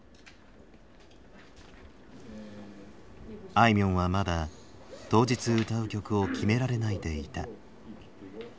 あいみょんはまだ当日歌う曲を決められないでいた。